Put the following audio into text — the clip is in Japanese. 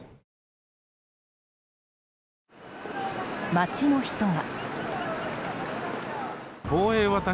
街の人は。